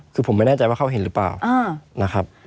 คือผมไม่แน่ใจว่าเขาเห็นหรือเปล่านะครับ